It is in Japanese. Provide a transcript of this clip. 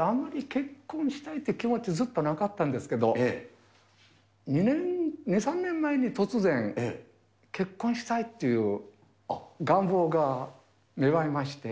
あんまり結婚したいって気持ちずっとなかったんですけど、２、３年前に突然、結婚したいっていう願望が芽生えまして。